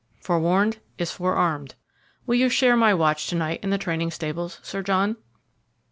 Forewarned is forearmed. Will you share my watch to night in the training stables, Sir John?"